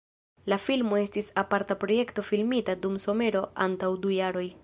La filmo estis aparta projekto filmita dum somero antaŭ du jaroj.